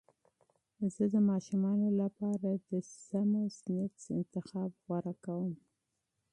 زه د ماشومانو لپاره د سالم سنکس انتخاب غوره کوم.